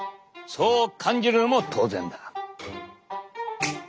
そう感じるのも当然だ。